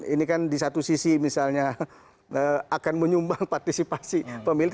ini kan di satu sisi misalnya akan menyumbang partisipasi pemilih